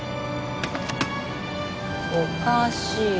おかしい。